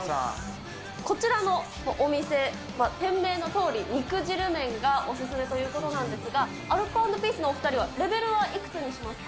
こちらのお店は、店名のとおり、肉汁麺がお勧めということなんですが、アルコ＆ピースのお２人はレベルはいくつにしますか？